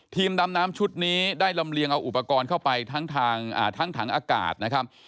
ดำน้ำชุดนี้ได้ลำเลียงเอาอุปกรณ์เข้าไปทั้งถังอากาศนะครับ